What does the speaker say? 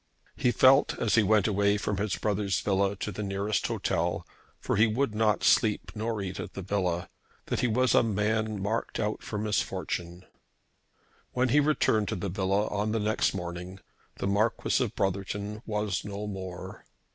He felt as he went away from his brother's villa to the nearest hotel, for he would not sleep nor eat in the villa, that he was a man marked out for misfortune. When he returned to the villa on the next morning the Marquis of Brotherton was no more.